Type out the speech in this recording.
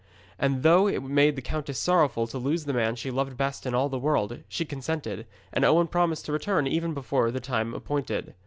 And though it made the countess sorrowful to lose the man she loved best in all the world, she consented, and Owen promised to return even before the time appointed.